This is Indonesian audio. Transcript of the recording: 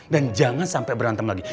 dan jangan sampai berantem lagi